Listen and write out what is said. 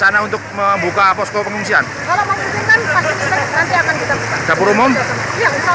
iya kalau nanti kita buka kalau memang ini keadaan semakin berat mudah mudahan